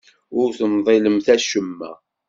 Ur temḍilemt acemma.